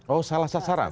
oh salah sasaran